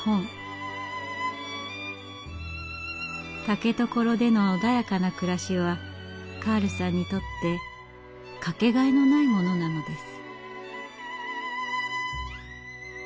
竹所での穏やかな暮らしはカールさんにとってかけがえのないものなのです。